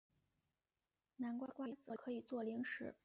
南瓜瓜子可以做零食。